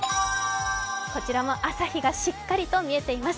こちらも朝日がしっかりと見えています。